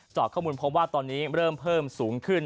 ข้อมูลพบว่าตอนนี้เริ่มเพิ่มสูงขึ้น